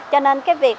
cho nên cái việc